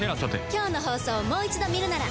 今日の放送をもう一度見るなら。